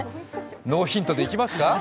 ノーヒントでいきますか？